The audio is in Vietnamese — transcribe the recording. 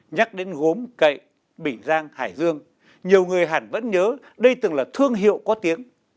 nhắc đến gốm cậy bình giang hải dương nhiều người hàn vẫn nhớ đây từng là thương hiệu có tiếng